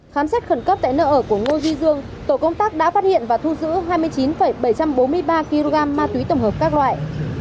khám xét khẩn cấp tại nơi ở của ngô duy dương tổ công tác đã phát hiện và thu giữ hai mươi chín bảy trăm bốn mươi ba kg ma túy tổng hợp các loại